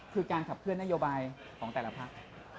คือการขับเคลื่อนนโยบายของแต่ละพัก